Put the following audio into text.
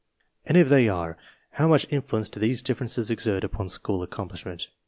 And if they are, how much influence do these differences exert upon school accomplishment?